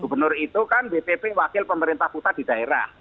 gubernur itu kan bpp wakil pemerintah pusat di daerah